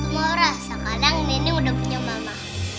semua orang sekarang ini udah punya mama